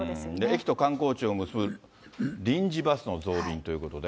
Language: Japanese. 駅と観光地を結ぶ臨時バスの増便ということで。